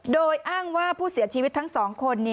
โดยอ้างว่าผู้เสียชีวิตทั้ง๒คน